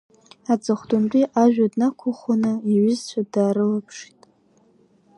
Аҵыхәтәантәи ажәа днақәыӷәӷәаны иҩызцәа даарылаԥшит.